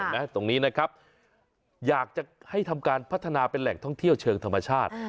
ตรงนี้นะครับอยากจะให้ทำการพัฒนาเป็นแหล่งท่องเที่ยวเชิงธรรมชาติ